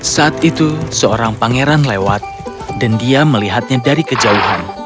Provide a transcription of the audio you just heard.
saat itu seorang pangeran lewat dan dia melihatnya dari kejauhan